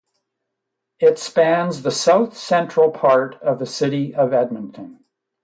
It spans the south central part of the city of Edmonton.